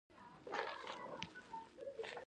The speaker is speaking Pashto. خان زمان وویل: کېدای شي ښه خوند وکړي، شاید خوښ مو شي.